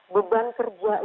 beban kerja itu